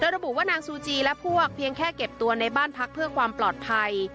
ระบุว่านางซูจีและพวกเพียงแค่เก็บตัวในบ้านพักเพื่อความปลอดภัย